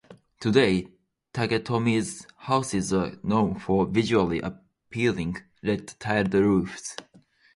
Today Taketomi's houses are known for visually appealing red-tiled roofs.